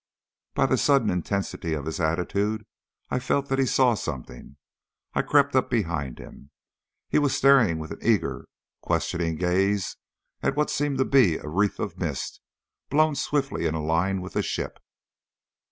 By the sudden intensity of his attitude I felt that he saw something. I crept up behind him. He was staring with an eager questioning gaze at what seemed to be a wreath of mist, blown swiftly in a line with the ship.